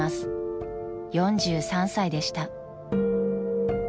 ［４３歳でした］